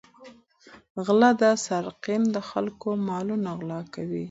غله او سارقین د خلکو مالونه غلا کوي.